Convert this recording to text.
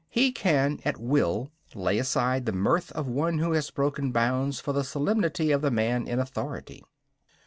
He can at will lay aside the mirth of one who has broken bounds for the solemnity of the man in authority.